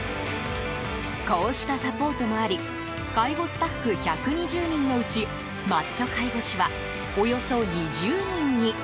こうしたサポートもあり介護スタッフ１２０人のうちマッチョ介護士はおよそ２０人に。